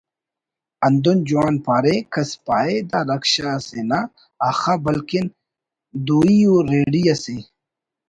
ہندن جوان پارے کس پاہے دا رکشہ اسے نا آخا بلکن دوئی ءُ ریڑی اسے